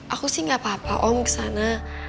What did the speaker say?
aku sih gak apa apa om kesana